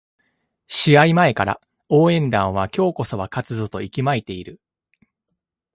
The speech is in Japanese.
試合前から応援団は今日こそは勝つぞと息巻いている